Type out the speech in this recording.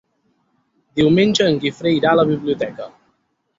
Diumenge en Guifré irà a la biblioteca.